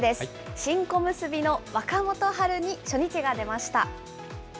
新小結の若元春に初日が出ました。